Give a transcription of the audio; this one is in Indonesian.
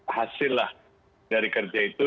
hasil lah dari kerja itu